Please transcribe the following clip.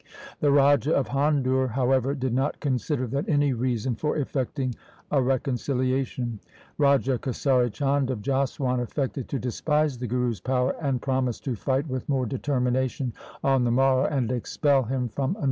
The Raja of Handur, however, did not consider that any reason for effecting a reconcilia tion. Raja Kesari Chand of Jaswan affected to despise the Guru's power, and promised to fight with more determination on the morrow and expel him from Anandpur.